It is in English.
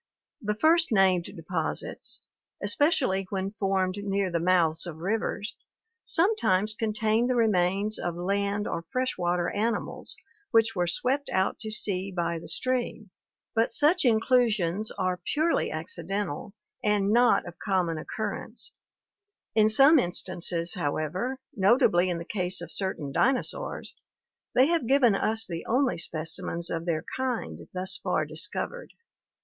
The first named deposits, especially when formed near the mouths of rivers, sometimes contain the remains of land or fresh water animals which were swept out to sea by the stream, but such inclusions are purely accidental and not of common occurrence; in some instances, however, notably in the case of certain dinosaurs, they have given us the only specimens of their kind thus far dis covered.